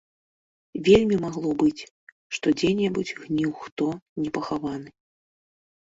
Вельмі магло быць, што дзе-небудзь гніў хто непахаваны.